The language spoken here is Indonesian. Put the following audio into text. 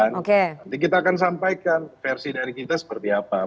nanti kita akan sampaikan versi dari kita seperti apa